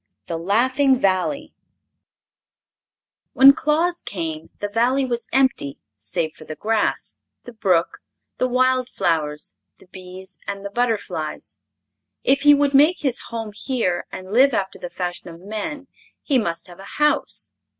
The Laughing Valley When Claus came the Valley was empty save for the grass, the brook, the wildflowers, the bees and the butterflies. If he would make his home here and live after the fashion of men he must have a house.